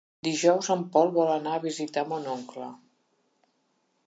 Dijous en Pol vol anar a visitar mon oncle.